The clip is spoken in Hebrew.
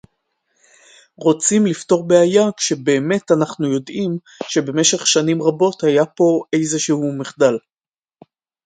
רוצים לפתור בעיה כשבאמת אנחנו יודעים שבמשך שנים רבות היה פה איזשהו מחדל